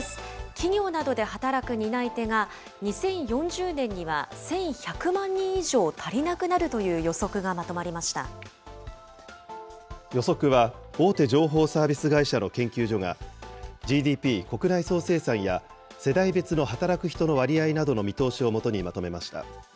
企業などで働く担い手が、２０４０年には１１００万人以上足りなくなるという予測がまとま予測は、大手情報サービス会社の研究所が、ＧＤＰ・国内総生産や、世代別の働く人の割合などの見通しを基にまとめました。